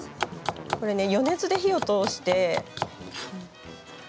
これは余熱で火を通して。